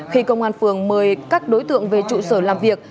khi công an phường mời các đối tượng về trụ sở làm việc